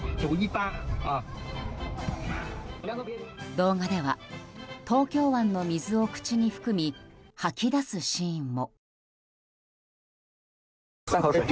動画では、東京湾の水を口に含み吐き出すシーンも。